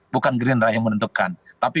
bukan gerindra yang menentukan tapi